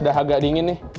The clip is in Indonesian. udah agak dingin nih